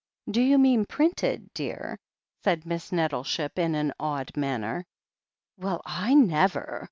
"Do you mean printed, dear ?" said Miss Nettleship, in an awed manner. "Well, I never!